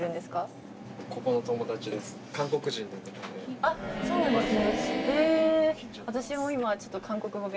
あっそうなんですね。